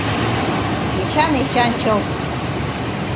Эчан, Эчан чылт...